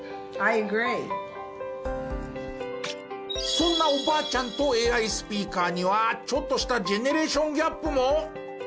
そんなおばあちゃんとＡＩスピーカーにはちょっとしたジェネレーションギャップも。